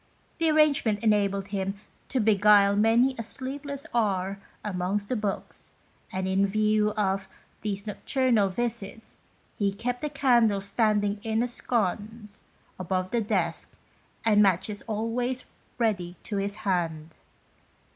The arrangement enabled him to beguile many a sleepless hour amongst the books, and in view of these nocturnal visits he kept a candle standing in a sconce above the desk, and matches always ready to his hand.